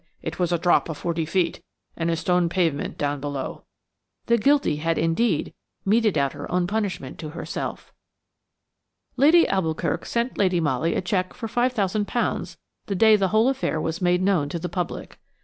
"It was a drop of forty feet, and a stone pavement down below." The guilty had indeed meted out her own punishment to herself! Lady d'Alboukirk sent Lady Molly a cheque for £5,000 the day the whole affair was made known to the public.